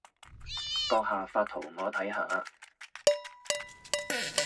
閣下發圖我睇下